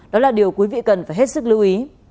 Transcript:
đó là điều quý vị cần phải hết sức lưu ý